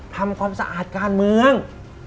ทำความสะอาดการเมือง